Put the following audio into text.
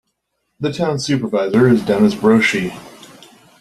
The Town Supervisor is Dennis Brochey.